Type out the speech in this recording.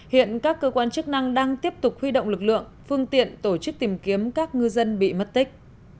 hiện các cơ quan chức năng đang tiếp tục huy động lực lượng phương tiện tổ chức tìm kiếm các ngư dân bị mất tích